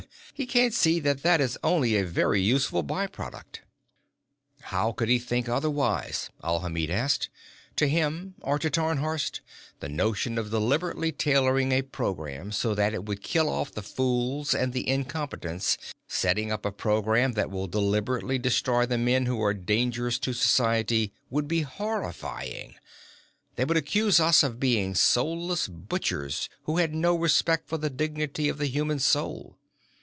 He can't see that that is only a very useful by product." "How could he think otherwise?" Alhamid asked. "To him, or to Tarnhorst, the notion of deliberately tailoring a program so that it would kill off the fools and the incompetents, setting up a program that will deliberately destroy the men who are dangerous to society, would be horrifying. They would accuse us of being soulless butchers who had no respect for the dignity of the human soul."